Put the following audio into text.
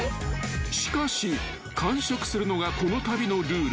［しかし完食するのがこの旅のルール］